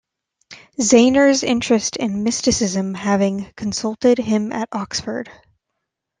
Zaehner's interest in mysticism, having consulted him at Oxford.